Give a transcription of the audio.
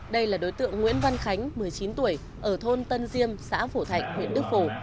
đây là đối tượng nguyễn văn khánh một mươi chín tuổi ở thôn tân diêm xã phổ thạnh huyện đức phổ